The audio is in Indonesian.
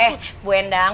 eh bu endang